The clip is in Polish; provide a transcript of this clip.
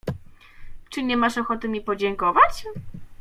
— Czy nie masz ochoty mi podziękować?